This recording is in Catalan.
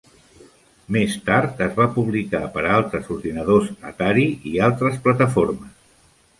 Més tard es va publicar per a altres ordinadors Atari i altres plataformes.